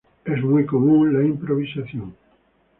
Es muy común la improvisación.